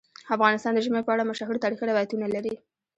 افغانستان د ژمی په اړه مشهور تاریخی روایتونه لري.